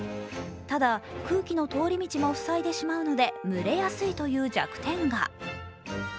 ただ、空気の通り道もふさいでしまうので蒸れやすいという弱点が。